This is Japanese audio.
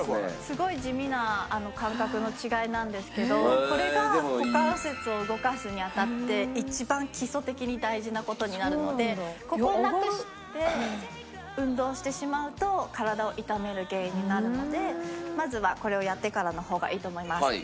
すごい地味な感覚の違いなんですけどこれが股関節を動かすに当たって一番基礎的に大事な事になるのでここをなくして運動をしてしまうと体を痛める原因になるのでまずはこれをやってからの方がいいと思います。